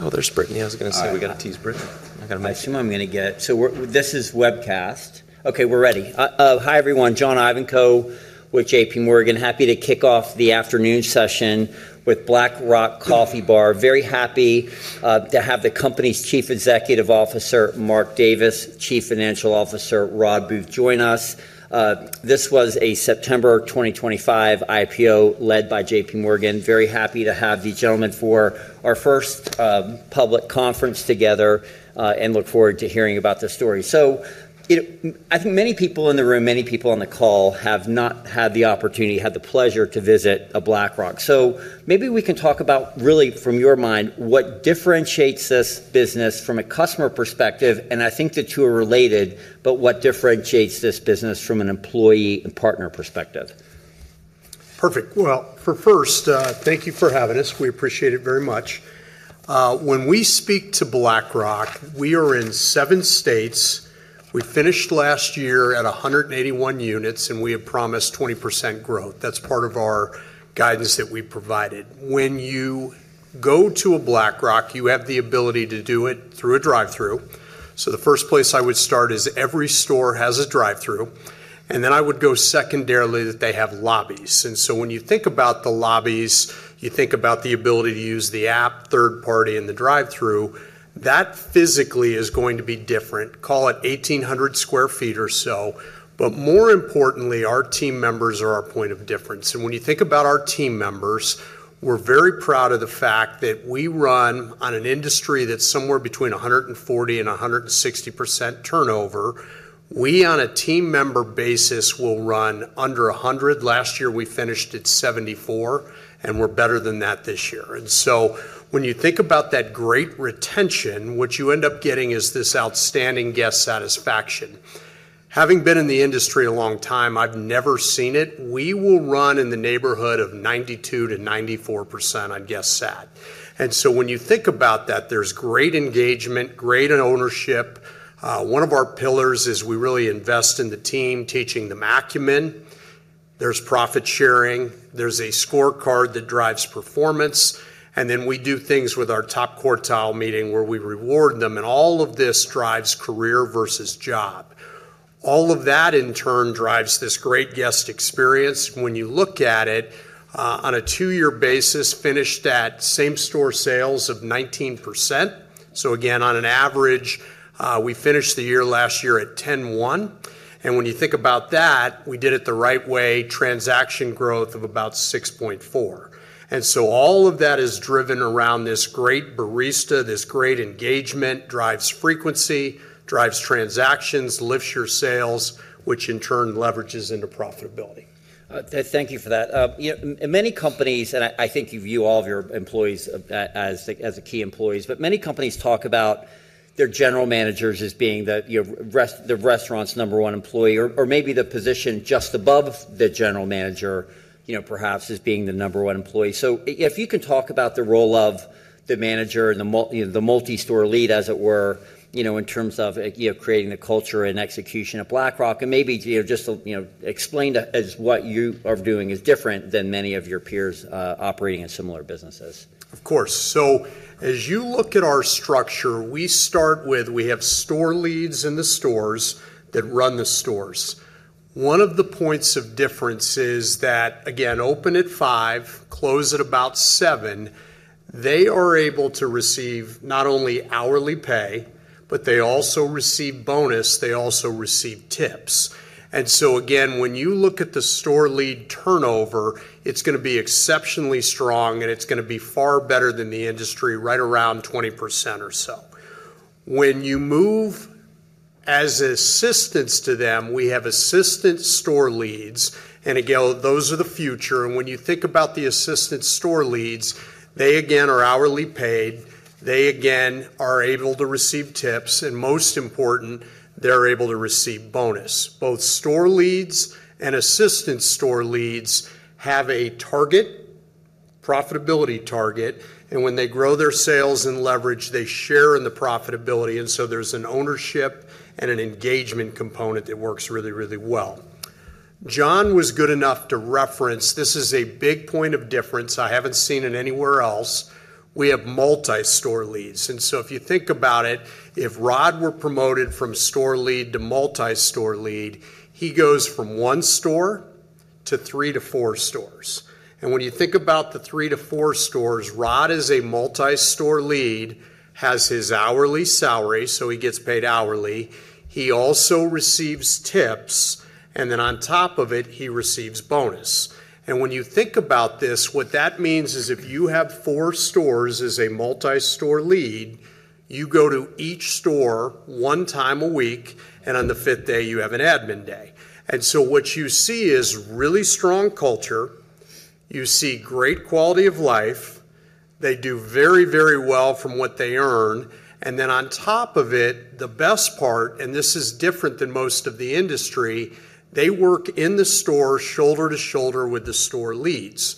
Okay, we're ready. Hi, everyone. John Ivankoe with JPMorgan. Happy to kick off the afternoon session with Black Rock Coffee Bar. Very happy to have the company's Chief Executive Officer, Mark Davis, Chief Financial Officer, Rodd Booth, join us. This was a September 2025 IPO led by JPMorgan. Very happy to have the gentlemen for our first public conference together, and look forward to hearing about this story. You know, I think many people in the room, many people on the call have not had the opportunity, had the pleasure to visit a Black Rock. Maybe we can talk about really from your mind what differentiates this business from a customer perspective, and I think the two are related, but what differentiates this business from an employee and partner perspective. Perfect. Well, first, thank you for having us. We appreciate it very much. When we speak to Black Rock, we are in seven states. We finished last year at 181 units, and we have promised 20% growth. That's part of our guidance that we provided. When you go to a Black Rock, you have the ability to do it through a drive-through. The first place I would start is every store has a drive-through, and then I would go secondarily that they have lobbies. When you think about the lobbies, you think about the ability to use the app, third party in the drive-through, that physically is going to be different, call it 1,800 sq ft or so, but more importantly, our team members are our point of difference. When you think about our team members, we're very proud of the fact that we run on an industry that's somewhere between 140% and 160% turnover. We on a team member basis will run under 100. Last year we finished at 74, and we're better than that this year. When you think about that great retention, what you end up getting is this outstanding guest satisfaction. Having been in the industry a long time, I've never seen it. We will run in the neighborhood of 92%-94% on guest sat. When you think about that, there's great engagement, great in ownership. One of our pillars is we really invest in the team, teaching the acumen. There's profit sharing. There's a scorecard that drives performance. We do things with our top quartile meeting where we reward them, and all of this drives career versus job. All of that in turn drives this great guest experience. When you look at it on a two-year basis, finished at Same-Store Sales of 19%. On average, we finished the year last year at 10.1. When you think about that, we did it the right way, transaction growth of about 6.4. All of that is driven around this great barista, this great engagement, drives frequency, drives transactions, lifts your sales, which in turn leverages into profitability. Thank you for that. You know, in many companies, I think you view all of your employees as key employees, but many companies talk about their general managers as being the, you know, restaurant's number one employee or maybe the position just above the general manager, you know, perhaps as being the number one employee. If you can talk about the role of the manager and the multi-store lead as it were, you know, in terms of, you know, creating the culture and execution of Black Rock and maybe, you know, just explain to us what you are doing is different than many of your peers operating in similar businesses. Of course. As you look at our structure, we start with we have store leads in the stores that run the stores. One of the points of difference is that, again, open at 5 A.M., close at about 7 P.M., they are able to receive not only hourly pay, but they also receive bonus, they also receive tips. Again, when you look at the store lead turnover, it's gonna be exceptionally strong, and it's gonna be far better than the industry right around 20% or so. When you move as assistant to them, we have assistant store leads, and again, those are the future. When you think about the assistant store leads, they again are hourly paid, they again are able to receive tips, and most important, they're able to receive bonus. Both store leads and assistant store leads have a target profitability target, and when they grow their sales and leverage, they share in the profitability. There's an ownership and an engagement component that works really, really well. John was good enough to reference this. This is a big point of difference. I haven't seen it anywhere else. We have multi-store leads. If you think about it, if Rodd were promoted from store lead to multi-store lead, he goes from one store to three to four stores. When you think about the three to four stores, Rodd is a multi-store lead, has his hourly salary, so he gets paid hourly. He also receives tips, and then on top of it, he receives bonus. When you think about this, what that means is if you have four stores as a multi-store lead, you go to each store one time a week, and on the fifth day you have an admin day. What you see is really strong culture. You see great quality of life. They do very, very well from what they earn. On top of it, the best part, and this is different than most of the industry, they work in the store shoulder to shoulder with the store leads.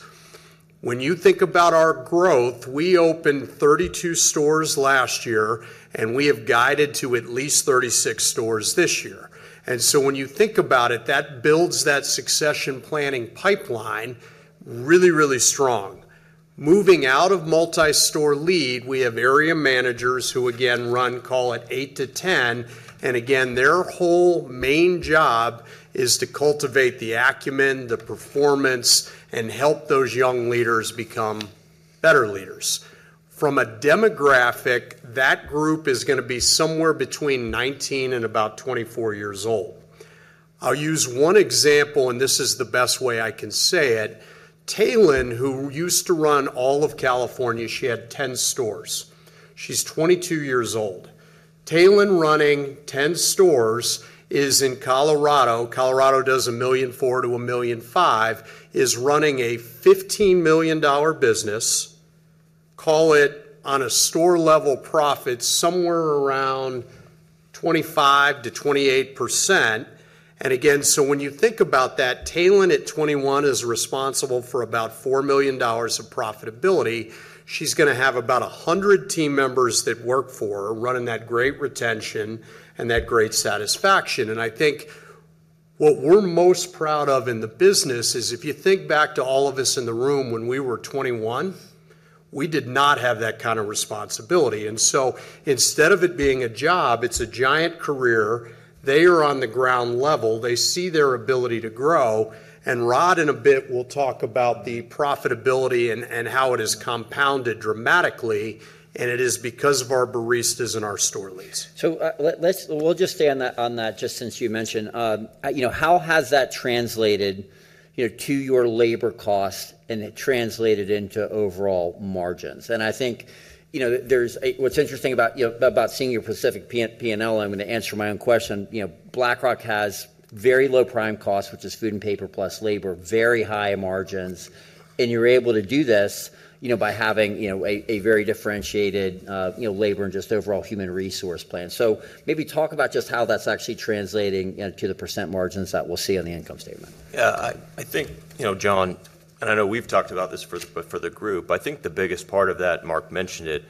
When you think about our growth, we opened 32 stores last year, and we have guided to at least 36 stores this year. When you think about it, that builds that succession planning pipeline really, really strong. Moving out of multi-store lead, we have area managers who again run, call it 8-10, and again, their whole main job is to cultivate the acumen, the performance, and help those young leaders become better leaders. From a demographic, that group is gonna be somewhere between 19 and about 24 years old. I'll use one example, and this is the best way I can say it. Taylen, who used to run all of California, she had 10 stores. She's 22 years old. Taylen running 10 stores is in Colorado does $1.4 million-$1.5 million, is running a $15 million business, call it on a store level profit somewhere around 25%-28%. Again, so when you think about that, Taylen at 21 is responsible for about $4 million of profitability. She's gonna have about 100 team members that work for her, running that great retention and that great satisfaction. I think what we're most proud of in the business is if you think back to all of us in the room when we were 21, we did not have that kind of responsibility. Instead of it being a job, it's a giant career. They are on the ground level. They see their ability to grow, and Rodd, in a bit will talk about the profitability and how it has compounded dramatically, and it is because of our baristas and our store leads. We'll just stay on that just since you mentioned. You know, how has that translated, you know, to your labor costs and it translated into overall margins? I think, you know, there's what's interesting about, you know, about seeing your specific P&L. I'm gonna answer my own question, you know. Black Rock has very low prime costs, which is food and paper plus labor, very high margins, and you're able to do this, you know, by having, you know, a very differentiated, you know, labor and just overall human resource plan. Maybe talk about just how that's actually translating, you know, to the percent margins that we'll see on the income statement. Yeah, I think, you know, John, and I know we've talked about this for the group. I think the biggest part of that, Mark mentioned it,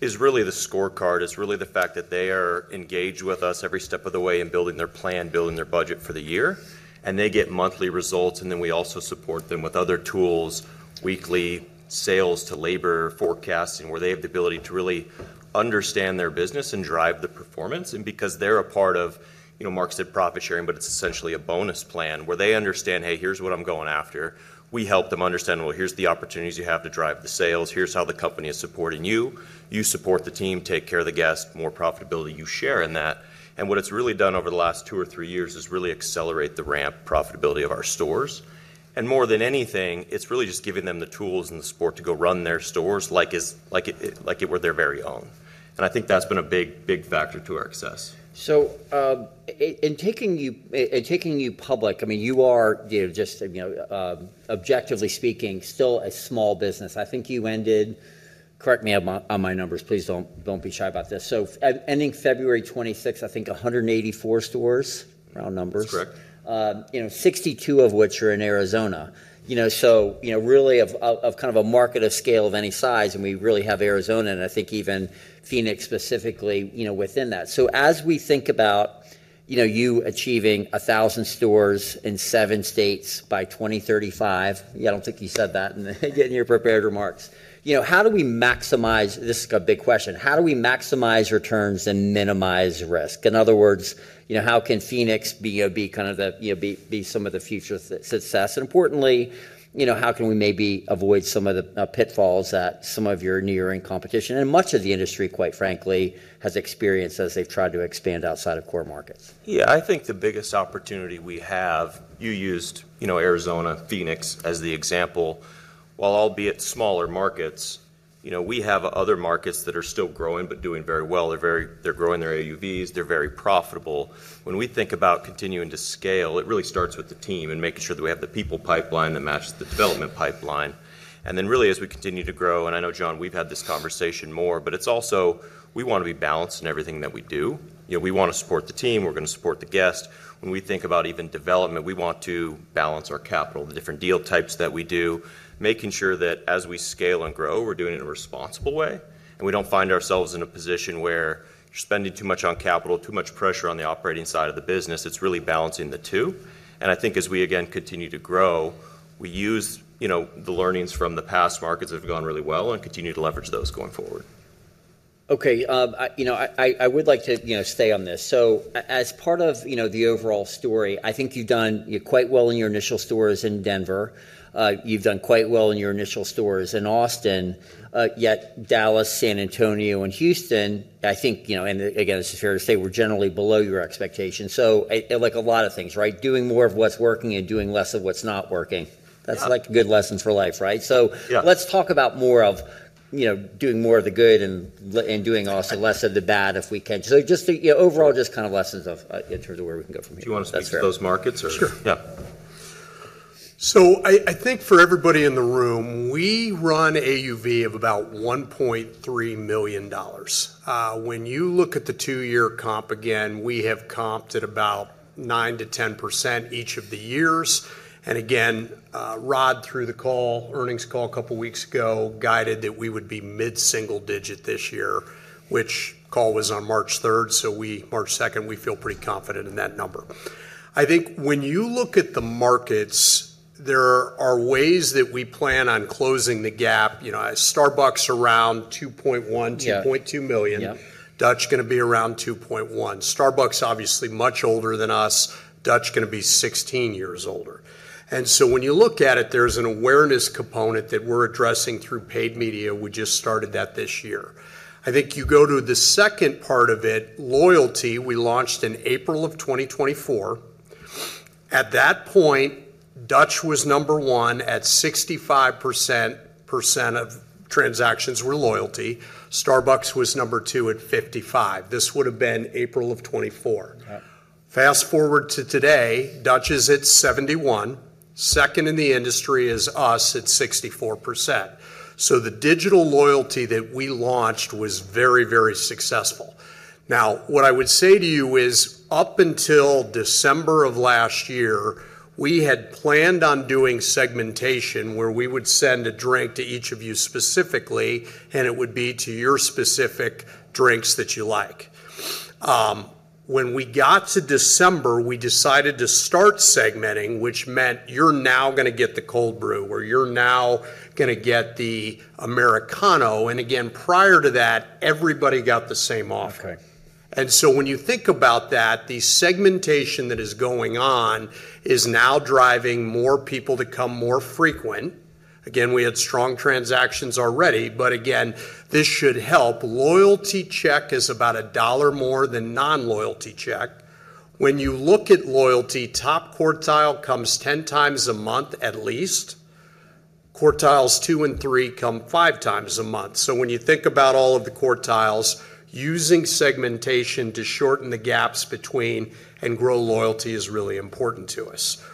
is really the scorecard. It's really the fact that they are engaged with us every step of the way in building their plan, building their budget for the year, and they get monthly results, and then we also support them with other tools, weekly sales to labor forecasting, where they have the ability to really understand their business and drive the performance. Because they're a part of, you know, Mark said profit sharing, but it's essentially a bonus plan where they understand, "Hey, here's what I'm going after." We help them understand, "Well, here's the opportunities you have to drive the sales. Here's how the company is supporting you. You support the team, take care of the guests, more profitability, you share in that." What it's really done over the last two or three years is really accelerate the ramp profitability of our stores. More than anything, it's really just giving them the tools and the support to go run their stores like it were their very own. I think that's been a big, big factor to our success. In taking you public, I mean, you are, you know, just, you know, objectively speaking, still a small business. I think you ended, correct me on my numbers, please don't be shy about this. Ending February twenty-sixth, I think 184 stores, round numbers. That's correct. You know, 62 of which are in Arizona. You know, so, you know, really of kind of a market of scale of any size, and we really have Arizona, and I think even Phoenix specifically, you know, within that. So as we think about, you know, you achieving 1,000 stores in seven states by 2035, yeah, I don't think you said that in your prepared remarks. You know, how do we maximize? This is a big question. How do we maximize returns and minimize risk? In other words, you know, how can Phoenix be kind of the, you know, be some of the future success? Importantly, you know, how can we maybe avoid some of the pitfalls that some of your nearest competition and much of the industry, quite frankly, has experienced as they've tried to expand outside of core markets? Yeah. I think the biggest opportunity we have. You used, you know, Arizona, Phoenix as the example, while albeit smaller markets, you know, we have other markets that are still growing but doing very well. They're growing their AUVs. They're very profitable. When we think about continuing to scale, it really starts with the team and making sure that we have the people pipeline that matches the development pipeline. Really, as we continue to grow, and I know, John, we've had this conversation more, but it's also we wanna be balanced in everything that we do. You know, we wanna support the team. We're gonna support the guest. When we think about even development, we want to balance our capital, the different deal types that we do, making sure that as we scale and grow, we're doing it in a responsible way, and we don't find ourselves in a position where you're spending too much on capital, too much pressure on the operating side of the business. It's really balancing the two. I think as we again continue to grow, we use, you know, the learnings from the past markets that have gone really well and continue to leverage those going forward. Okay. I would like to, you know, stay on this. As part of, you know, the overall story, I think you've done, you know, quite well in your initial stores in Denver. You've done quite well in your initial stores in Austin, yet Dallas, San Antonio, and Houston, I think, you know, and again, this is fair to say, were generally below your expectations. Like a lot of things, right? Doing more of what's working and doing less of what's not working. Yeah. That's like a good lesson for life, right? Yeah Let's talk about more of, you know, doing more of the good and doing also less of the bad, if we can. Just, you know, overall, just kind of lessons of, in terms of where we can go from here. That's fair. Do you wanna speak to those markets or? Sure. Yeah. I think for everybody in the room, we run AUV of about $1.3 million. When you look at the two-year comp again, we have comped at about 9%-10% each of the years. Rodd did the earnings call a couple weeks ago, guided that we would be mid-single digit this year, which call was on March second, we feel pretty confident in that number. I think when you look at the markets, there are ways that we plan on closing the gap. You know, Starbucks around 2.1- Yeah $2.2 million. Yeah. Dutch Bros gonna be around 2.1. Starbucks obviously much older than us. Dutch Bros gonna be 16 years older. When you look at it, there's an awareness component that we're addressing through paid media. We just started that this year. I think you go to the second part of it, loyalty, we launched in April of 2024. At that point, Dutch Bros was number one at 65% of transactions were loyalty. Starbucks was number two at 55%. This would have been April of 2024. Yeah. Fast-forward to today, Dutch Bros is at 71. Second in the industry is us at 64%. The digital loyalty that we launched was very, very successful. Now, what I would say to you is, up until December of last year, we had planned on doing segmentation where we would send a drink to each of you specifically, and it would be to your specific drinks that you like. When we got to December, we decided to start segmenting, which meant you're now gonna get the Cold Brew, or you're now gonna get the Americano. Again, prior to that, everybody got the same offer. Okay. When you think about that, the segmentation that is going on is now driving more people to come more frequent. Again, we had strong transactions already, but again, this should help. Loyalty check is about a dollar more than non-loyalty check. When you look at loyalty, top quartile comes 10 times a month at least. Quartiles two and three come five times a month. When you think about all of the quartiles, using segmentation to shorten the gaps between and grow loyalty is really important to us.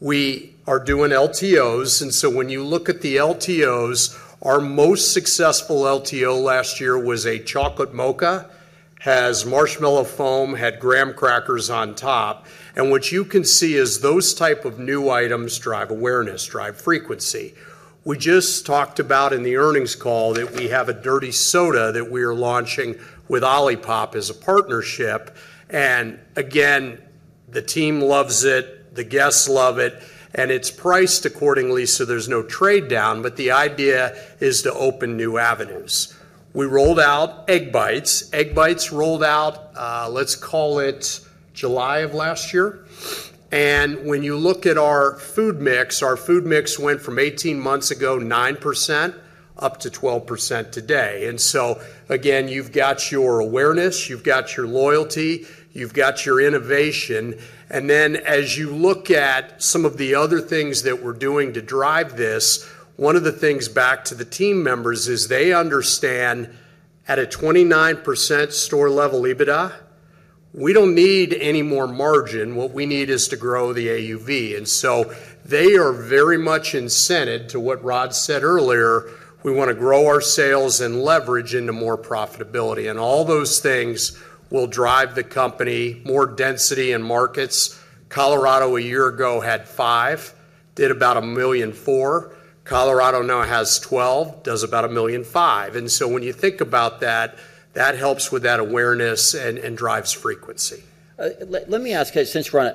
We are doing LTOs, when you look at the LTOs, our most successful LTO last year was a chocolate mocha. Has marshmallow foam, had graham crackers on top. What you can see is those type of new items drive awareness, drive frequency. We just talked about in the earnings call that we have a Dirty Soda that we are launching with OLIPOP as a partnership. Again, the team loves it, the guests love it, and it's priced accordingly, so there's no trade-down. The idea is to open new avenues. We rolled out Egg Bites. Egg Bites rolled out, let's call it July of last year. When you look at our food mix, our food mix went from 18 months ago, 9% up to 12% today. Again, you've got your awareness, you've got your loyalty, you've got your innovation. As you look at some of the other things that we're doing to drive this, one of the things back to the team members is they understand at a 29% store-level EBITDA, we don't need any more margin. What we need is to grow the AUV. They are very much incented to what Rodd said earlier, we wanna grow our sales and leverage into more profitability. All those things will drive the company. More density in markets. Colorado a year ago had five, did about $1.4 million. Colorado now has 12, does about $1.5 million. When you think about that helps with that awareness and drives frequency. Let me ask, since we're on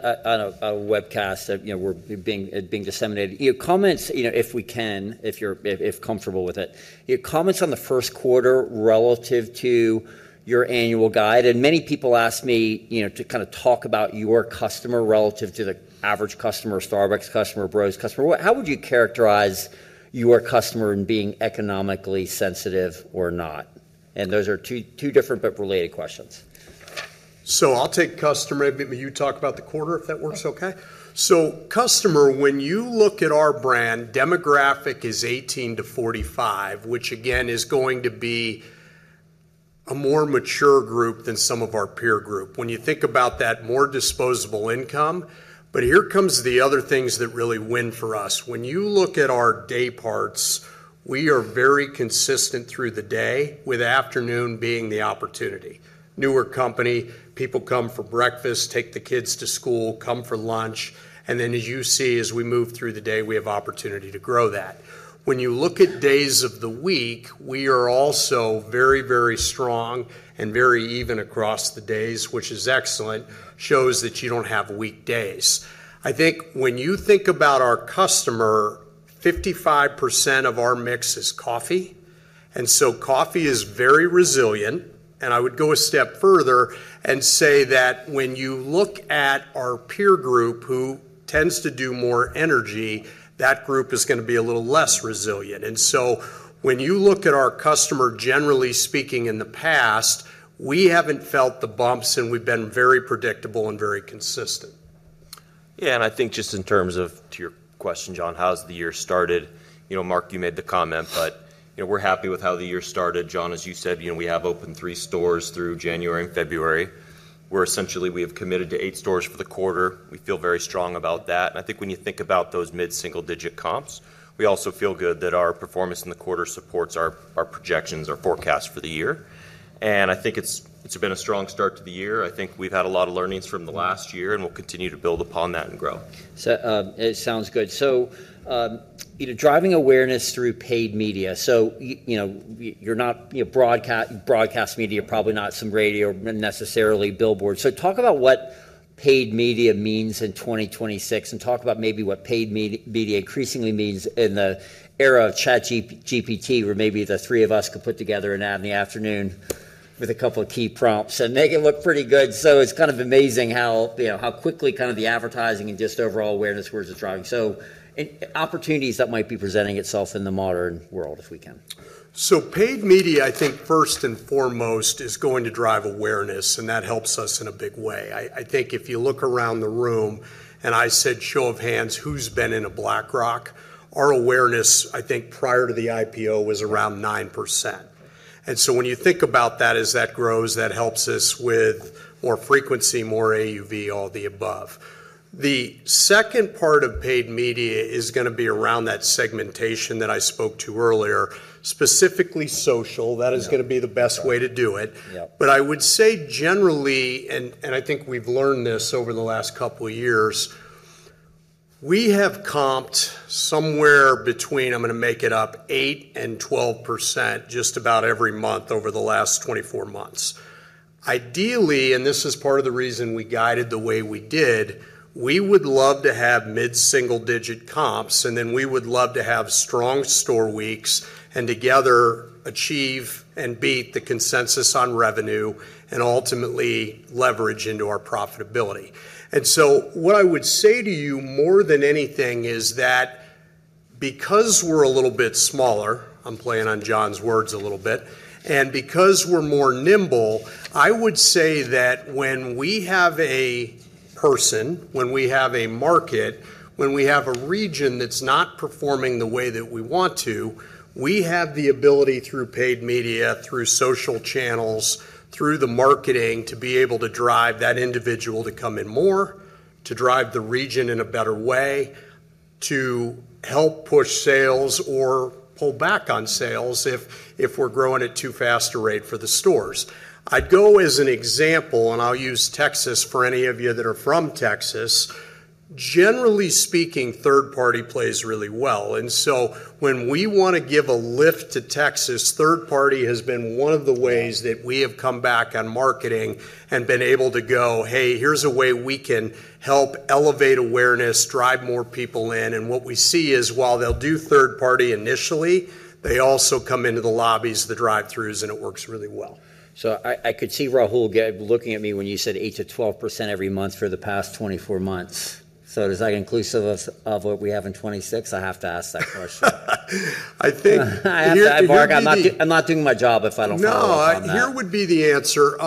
a webcast that, you know, we're being disseminated. Your comments, you know, if you're comfortable with it. Your comments on the first quarter relative to your annual guidance, and many people ask me, you know, to kind of talk about your customer relative to the average customer, Starbucks customer, Dutch Bros customer. What? How would you characterize your customer in being economically sensitive or not? Those are two different but related questions. I'll take questions, maybe you talk about the quarter, if that works okay. Sure. Customer, when you look at our brand, demographic is 18-45, which again is going to be a more mature group than some of our peer group. When you think about that, more disposable income. Here comes the other things that really win for us. When you look at our day parts, we are very consistent through the day, with afternoon being the opportunity. Newer company, people come for breakfast, take the kids to school, come for lunch, and then as you see, as we move through the day, we have opportunity to grow that. When you look at days of the week, we are also very, very strong and very even across the days, which is excellent. Shows that you don't have weak days. I think when you think about our customer, 55% of our mix is coffee. Coffee is very resilient, and I would go a step further and say that when you look at our peer group, who tends to do more energy, that group is gonna be a little less resilient. When you look at our customer, generally speaking in the past, we haven't felt the bumps, and we've been very predictable and very consistent. Yeah, I think just in terms of, to your question, John, how's the year started? You know, Mark, you made the comment, but you know, we're happy with how the year started. John, as you said, you know, we have opened three stores through January and February. We have committed to 8 stores for the quarter. We feel very strong about that. I think when you think about those mid-single digit comps, we also feel good that our performance in the quarter supports our projections, our forecast for the year. I think it's been a strong start to the year. I think we've had a lot of learnings from the last year, and we'll continue to build upon that and grow. It sounds good. You know, driving awareness through paid media. You know, you're not, you know, broadcast media, probably not some radio, necessarily billboard. Talk about what paid media means in 2026, and talk about maybe what paid media increasingly means in the era of ChatGPT, where maybe the three of us could put together an ad in the afternoon with a couple of key prompts and make it look pretty good. It's kind of amazing how, you know, how quickly kind of the advertising and just overall awareness where it's driving. In opportunities that might be presenting itself in the modern world, if we can. Paid media, I think first and foremost, is going to drive awareness, and that helps us in a big way. I think if you look around the room and I said, "Show of hands, who's been in a Black Rock?" Our awareness, I think, prior to the IPO was around 9%. When you think about that, as that grows, that helps us with more frequency, more AUV, all the above. The second part of paid media is gonna be around that segmentation that I spoke to earlier, specifically social. Yeah. That is gonna be the best way to do it. Yeah. I would say generally, and I think we've learned this over the last couple years, we have comped somewhere between, I'm gonna make it up, 8%-12% just about every month over the last 24 months. Ideally, this is part of the reason we guided the way we did, we would love to have mid-single digit comps, and then we would love to have strong store weeks, and together achieve and beat the consensus on revenue and ultimately leverage into our profitability. What I would say to you more than anything is that because we're a little bit smaller, I'm playing on John's words a little bit, and because we're more nimble, I would say that when we have a person, when we have a market, when we have a region that's not performing the way that we want to, we have the ability through paid media, through social channels, through the marketing, to be able to drive that individual to come in more, to drive the region in a better way, to help push sales or pull back on sales if we're growing at too fast a rate for the stores. I'd go as an example, and I'll use Texas for any of you that are from Texas. Generally speaking, third party plays really well, when we wanna give a lift to Texas, third party has been one of the ways. Yeah ...that we have come back on marketing and been able to go, "Hey, here's a way we can help elevate awareness, drive more people in." What we see is, while they'll do third party initially, they also come into the lobbies, the drive-throughs, and it works really well. I could see Rahul looking at me when you said 8%-12% every month for the past 24 months. Is that inclusive of what we have in 2026? I have to ask that question. I think. Mark, I'm not doing my job if I don't follow up on that. No. Here would be the answer.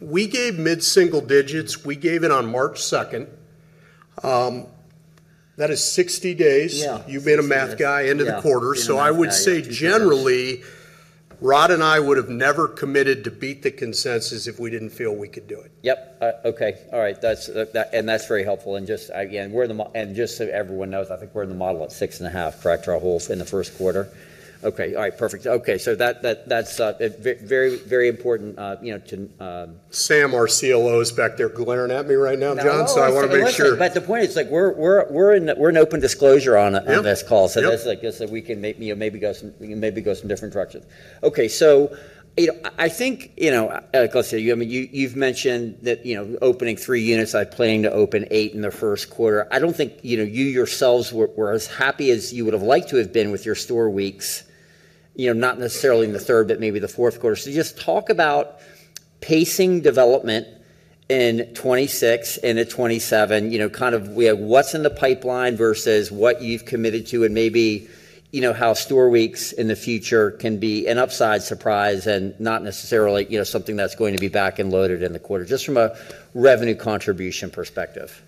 We gave mid-single digits. We gave it on March 2nd. That is 60 days. Yeah. You've been a math guy. Yeah End of the quarter. You're the math guy. I would say generally, Rodd and I would have never committed to beat the consensus if we didn't feel we could do it. Yep. Okay. All right. That's very helpful. Just so everyone knows, I think we're in the model at 6.5. Correct, Rahul? In the first quarter. Okay. All right. Perfect. Okay. That's very important, you know, to Sam, our CLO, is back there glaring at me right now, John. No. I wanna make sure. The point is like we're in open disclosure on this call. Yeah. Yep. I guess that we can maybe go in some different directions. Okay. You know, I think, like I said, you know, I mean, you've mentioned that, you know, opening three units, like planning to open eight in the first quarter. I don't think, you know, you yourselves were as happy as you would have liked to have been with your Store Weeks, you know, not necessarily in the third, but maybe the fourth quarter. Just talk about pacing development in 2026 into 2027. You know, kind of, we have what's in the pipeline versus what you've committed to, and maybe, you know, how Store Weeks in the future can be an upside surprise and not necessarily, you know, something that's going to be back-end loaded in the quarter, just from a revenue contribution perspective.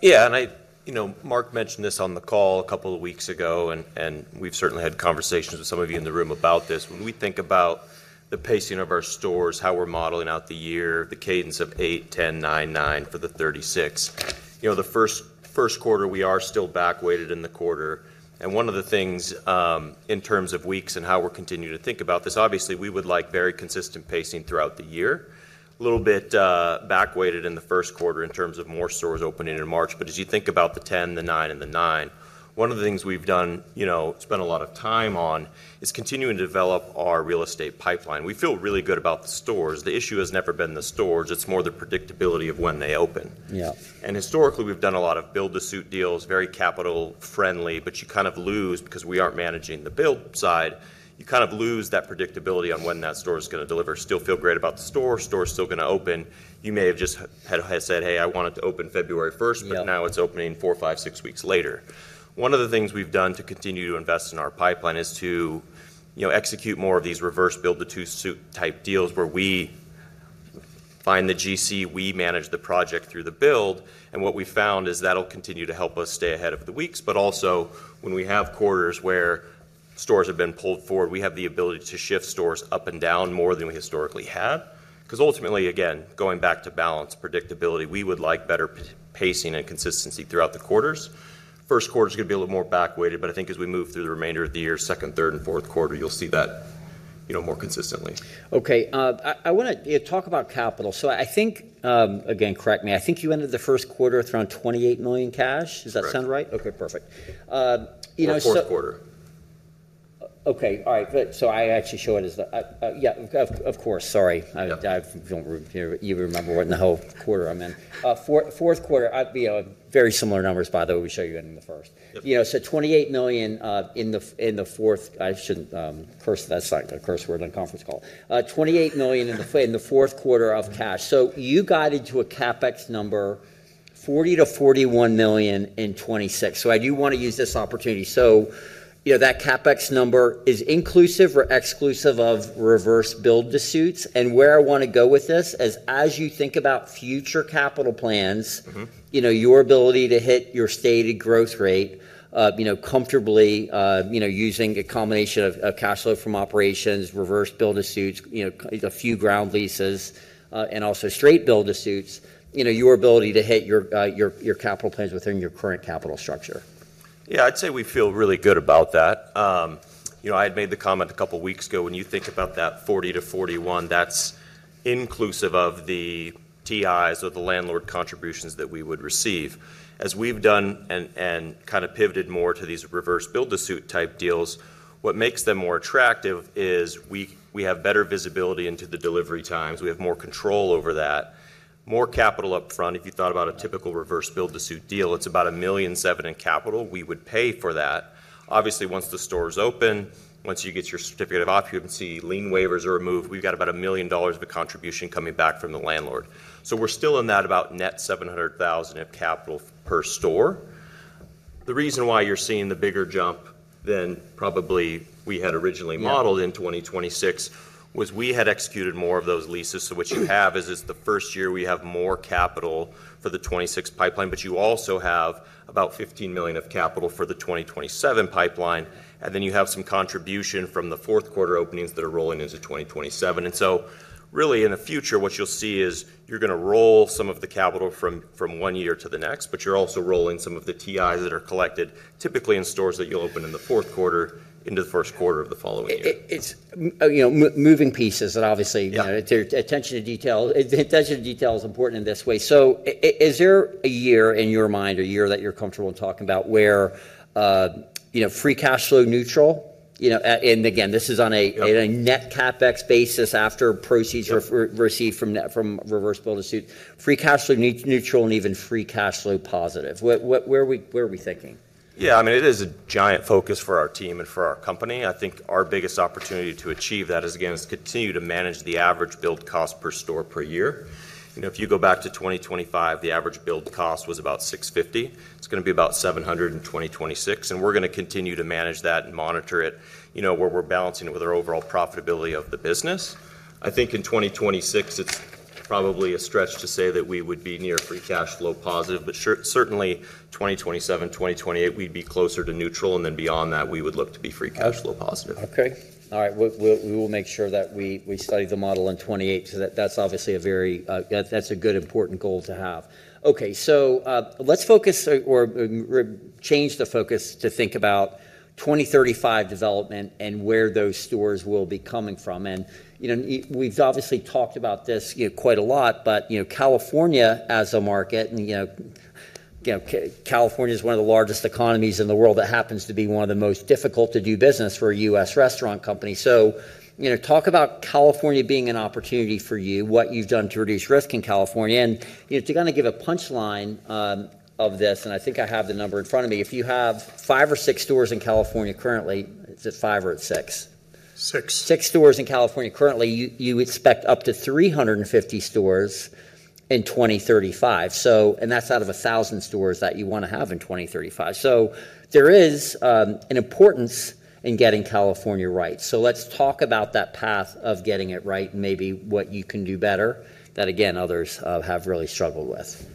Yeah. You know, Mark mentioned this on the call a couple of weeks ago, and we've certainly had conversations with some of you in the room about this. When we think about the pacing of our stores, how we're modeling out the year, the cadence of eight 10 nine nine for the 36. You know, the first quarter, we are still back weighted in the quarter. One of the things, in terms of weeks and how we're continuing to think about this, obviously, we would like very consistent pacing throughout the year. A little bit back weighted in the first quarter in terms of more stores opening in March. As you think about the 10, the nine, and the nine, one of the things we've done, you know, spent a lot of time on, is continuing to develop our real estate pipeline. We feel really good about the stores. The issue has never been the stores, it's more the predictability of when they open. Yeah. Historically, we've done a lot of build-to-suit deals, very capital friendly, but you kind of lose because we aren't managing the build side. You kind of lose that predictability on when that store is gonna deliver. Still feel great about the store. Store's still gonna open. You may have just had said, "Hey, I want it to open February first. Yeah. ...but now it's opening four, five, six weeks later." One of the things we've done to continue to invest in our pipeline is to, you know, execute more of these reverse build-to-suit type deals where we find the GC, we manage the project through the build, and what we found is that'll continue to help us stay ahead of the weeks. Also when we have quarters where stores have been pulled forward, we have the ability to shift stores up and down more than we historically have. 'Cause ultimately, again, going back to balance, predictability, we would like better pacing and consistency throughout the quarters. First quarter is gonna be a little more back weighted, but I think as we move through the remainder of the year, second, third, and fourth quarter, you'll see that you know more consistently. Okay. I wanna, you know, talk about capital. I think, again, correct me, I think you ended the first quarter with around $28 million cash. Does that sound right? Correct. Okay, perfect. You know, Fourth quarter. Okay. All right. I actually show it as the, yeah, of course. Sorry. Yeah. I don't remember what the hell quarter I'm in. Fourth quarter, you know, very similar numbers, by the way we showed you in the first. Yep. You know, $28 million in the fourth quarter of cash. I shouldn't curse. That's like a curse word on a conference call. $28 million in the fourth quarter of cash. You guided to a CapEx number $40 million-$41 million in 2026. I do wanna use this opportunity. You know, that CapEx number is inclusive or exclusive of reverse build-to-suits? Where I wanna go with this is, as you think about future capital plans- Mm-hmm you know, your ability to hit your stated growth rate, you know, comfortably, you know, using a combination of cash flow from operations, reverse build-to-suits, you know, a few ground leases, and also straight build-to-suits, you know, your ability to hit your capital plans within your current capital structure. Yeah. I'd say we feel really good about that. You know, I had made the comment a couple weeks ago, when you think about that $40 million-$41 million, that's inclusive of the TIs or the landlord contributions that we would receive. As we've done and kind of pivoted more to these reverse build-to-suit type deals, what makes them more attractive is we have better visibility into the delivery times. We have more control over that. More capital upfront. If you thought about a typical reverse build-to-suit deal, it's about $1.7 million in capital. We would pay for that. Obviously, once the store is open, once you get your certificate of occupancy, lien waivers are removed, we've got about $1 million of contribution coming back from the landlord. We're still in that about net $700,000 of capital per store. The reason why you're seeing the bigger jump than probably we had originally- Yeah modeled in 2026 was we had executed more of those leases. What you have is it's the first year we have more capital for the 2026 pipeline, but you also have about $15 million of capital for the 2027 pipeline, and then you have some contribution from the fourth quarter openings that are rolling into 2027. Really, in the future, what you'll see is you're gonna roll some of the capital from one year to the next, but you're also rolling some of the TIs that are collected typically in stores that you'll open in the fourth quarter into the first quarter of the following year. It's, you know, moving pieces that obviously. Yeah You know, attention to detail is important in this way. Is there a year in your mind, a year that you're comfortable talking about, where, you know, free cash flow neutral, you know, and again, this is on a- Yep on a net CapEx basis after proceeds Yep Received from reverse build-to-suit. Free cash flow neutral and even free cash flow positive. What? Where are we thinking? Yeah, I mean, it is a giant focus for our team and for our company. I think our biggest opportunity to achieve that is, again, to continue to manage the average build cost per store per year. You know, if you go back to 2025, the average build cost was about $650. It's gonna be about $700 in 2026, and we're gonna continue to manage that and monitor it, you know, where we're balancing it with our overall profitability of the business. I think in 2026, it's probably a stretch to say that we would be near free cash flow positive, but certainly 2027, 2028, we'd be closer to neutral, and then beyond that, we would look to be free cash flow positive. Okay. All right. We will make sure that we study the model in 2028 so that's obviously a very good, important goal to have. Okay. Let's focus or change the focus to think about 2035 development and where those stores will be coming from. We've obviously talked about this, you know, quite a lot, but you know, California as a market, and you know, California's one of the largest economies in the world that happens to be one of the most difficult to do business for a U.S. restaurant company. You know, talk about California being an opportunity for you, what you've done to reduce risk in California. You know, to kind of give a punchline of this, and I think I have the number in front of me. If you have five or six stores in California currently. Is it five or it's six? Six. Six stores in California currently. You expect up to 350 stores in 2035. That's out of 1,000 stores that you wanna have in 2035. There is an importance in getting California right. Let's talk about that path of getting it right, and maybe what you can do better that, again, others have really struggled with.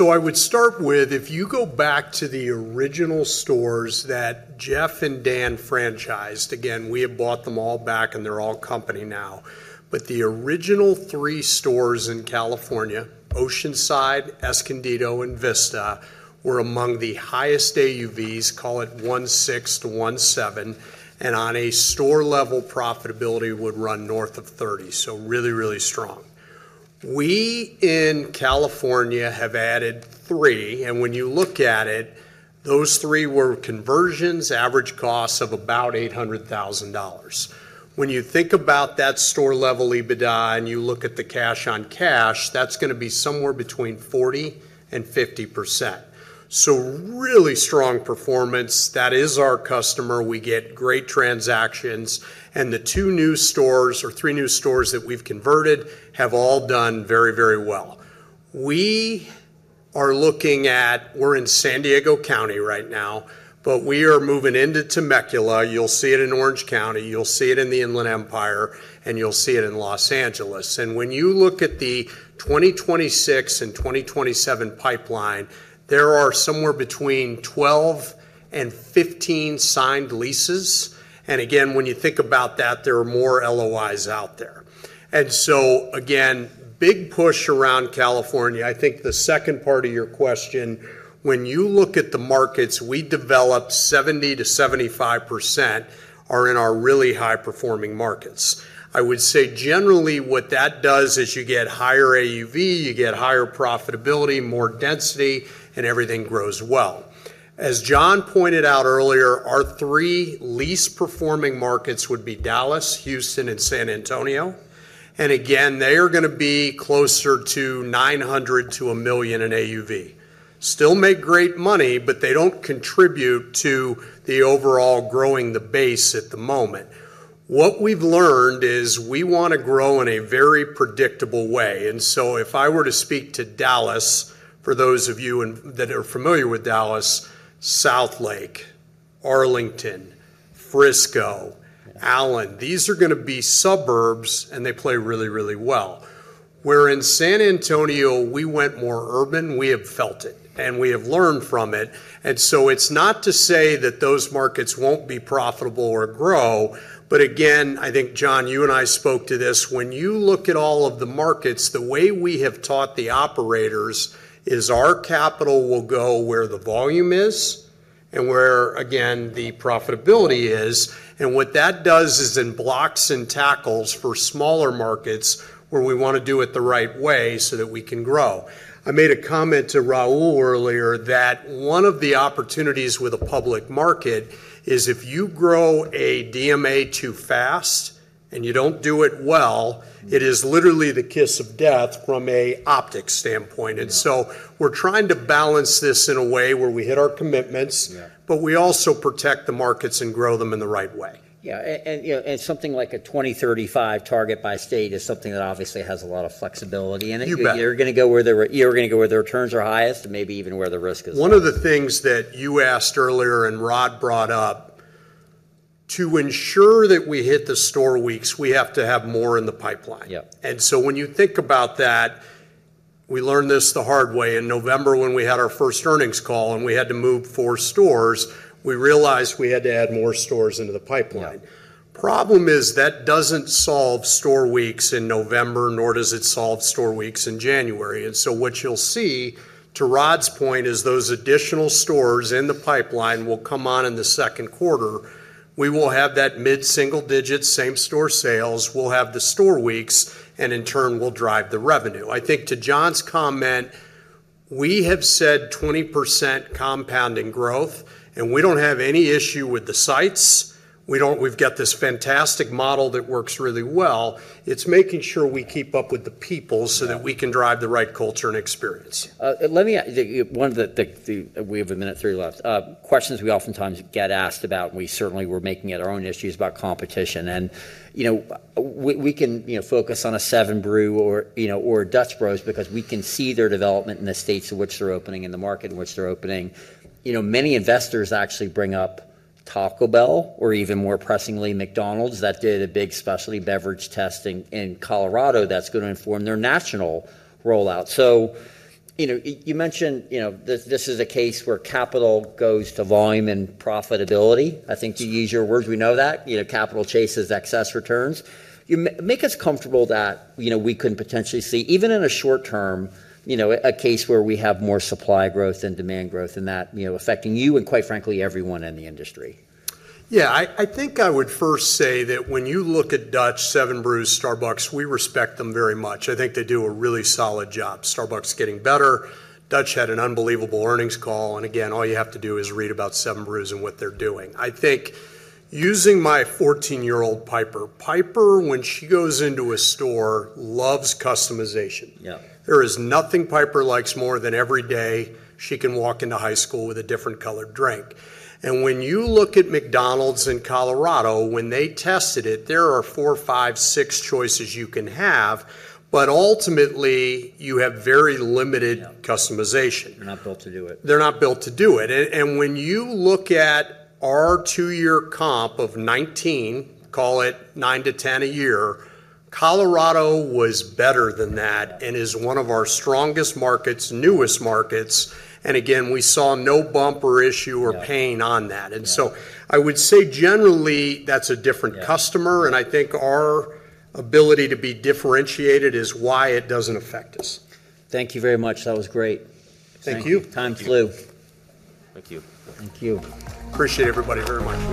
I would start with, if you go back to the original stores that Jeff and Dan franchised, again, we have bought them all back and they're all company now, but the original three stores in California, Oceanside, Escondido, and Vista, were among the highest AUVs, call it $1.6-$1.7, and on a store level, profitability would run north of 30%. Really, really strong. We in California have added three, and when you look at it, those three were conversions, average cost of about $800,000. When you think about that store-level EBITDA and you look at the cash on cash, that's gonna be somewhere between 40%-50%. Really strong performance. That is our customer. We get great transactions. The two new stores or three new stores that we've converted have all done very, very well. We're looking at, we're in San Diego County right now, but we are moving into Temecula. You'll see it in Orange County, you'll see it in the Inland Empire, and you'll see it in Los Angeles. When you look at the 2026 and 2027 pipeline, there are somewhere between 12 and 15 signed leases. When you think about that, there are more LOIs out there. Again, big push around California. I think the second part of your question, when you look at the markets we developed, 70%-75% are in our really high-performing markets. I would say generally what that does is you get higher AUV, you get higher profitability, more density, and everything grows well. As John pointed out earlier, our three least performing markets would be Dallas, Houston, and San Antonio. They are gonna be closer to $900,000-$1 million in AUV. Still make great money, but they don't contribute to the overall growing the base at the moment. What we've learned is we wanna grow in a very predictable way. If I were to speak to Dallas, for those of you that are familiar with Dallas, Southlake, Arlington, Frisco, Allen, these are gonna be suburbs, and they play really, really well. Where in San Antonio, we went more urban. We have felt it, and we have learned from it. It's not to say that those markets won't be profitable or grow, but again, I think, John Ivankoe, you and I spoke to this. When you look at all of the markets, the way we have taught the operators is our capital will go where the volume is and where, again, the profitability is. What that does it blocks and tackles for smaller markets where we wanna do it the right way so that we can grow. I made a comment to Rahul earlier that one of the opportunities with a public market is if you grow a DMA too fast and you don't do it well, it is literally the kiss of death from an optics standpoint. Yeah. We're trying to balance this in a way where we hit our commitments. Yeah We also protect the markets and grow them in the right way. You know, something like a 2035 target by state is something that obviously has a lot of flexibility in it. You bet. You're gonna go where the returns are highest and maybe even where the risk is lowest. One of the things that you asked earlier and Rodd brought up, to ensure that we hit the Store Weeks, we have to have more in the pipeline. Yeah. When you think about that, we learned this the hard way. In November when we had our first earnings call and we had to move four stores, we realized we had to add more stores into the pipeline. Yeah. Problem is that doesn't solve Store Weeks in November, nor does it solve Store Weeks in January. What you'll see, to Rodd's point, is those additional stores in the pipeline will come on in the second quarter. We will have that mid-single-digit same-store sales. We'll have the Store Weeks, and in turn will drive the revenue. I think to John's comment, we have said 20% compounding growth, and we don't have any issue with the sites. We've got this fantastic model that works really well. It's making sure we keep up with the people. Yeah that we can drive the right culture and experience. We have one minute 30 left. One of the questions we oftentimes get asked about, and we certainly were making it our own issue, is about competition. You know, we can, you know, focus on a 7 Brew or, you know, or Dutch Bros. because we can see their development in the states in which they're opening and the market in which they're opening. You know, many investors actually bring up Taco Bell or even more pressingly McDonald's that did a big specialty beverage testing in Colorado that's gonna inform their national rollout. You know, you mentioned, you know, this is a case where capital goes to volume and profitability. I think to use your words, we know that. You know, capital chases excess returns. You make us comfortable that, you know, we couldn't potentially see, even in a short term, you know, a case where we have more supply growth than demand growth and that, you know, affecting you and quite frankly everyone in the industry. Yeah. I think I would first say that when you look at Dutch Bros, 7 Brew, Starbucks, we respect them very much. I think they do a really solid job. Starbucks is getting better. Dutch Bros had an unbelievable earnings call. Again, all you have to do is read about 7 Brew and what they're doing. I think using my 14-year-old Piper. Piper, when she goes into a store, loves customization. Yeah. There is nothing Piper likes more than every day she can walk into high school with a different colored drink. When you look at McDonald's in Colorado, when they tested it, there are four, five, six choices you can have, but ultimately you have very limited- Yeah customization. They're not built to do it. They're not built to do it. When you look at our two-year comp of 19, call it 9-10 a year, Colorado was better than that and is one of our strongest markets, newest markets, and again, we saw no bump or issue or pain on that. Yeah. I would say generally that's a different customer. Yeah. I think our ability to be differentiated is why it doesn't affect us. Thank you very much. That was great. Thank you. Time flew. Thank you. Thank you. Appreciate everybody very much.